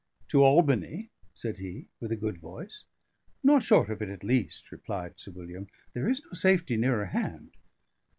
"To Albany?" said he, with a good voice. "Not short of it, at least," replied Sir William. "There is no safety nearer hand."